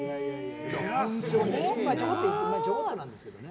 ちょこっとなんですけどね。